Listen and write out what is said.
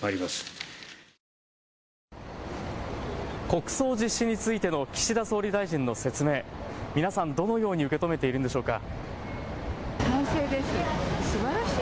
国葬実施についての岸田総理大臣の説明、皆さん、どのように受け止めているのでしょうか。